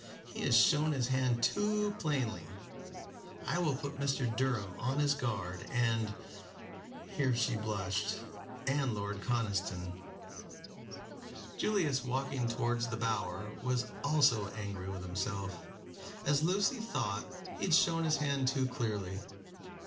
He has shown his hand too plainly. I will put Mr. Durham on his guard, and" here she blushed "and Lord Conniston." Julius, walking towards the Bower, was also angry with himself. As Lucy thought, he had shown his hand too clearly.